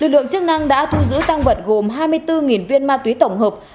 lực lượng chức năng đã thu giữ tăng vật gồm hai mươi bốn viên ma túy tổng hợp